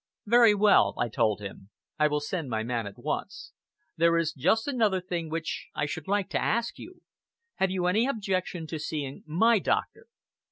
"Very well," I told him, "I will send my man at once. There is just another thing which I should like to ask you. Have you any objection to seeing my doctor?"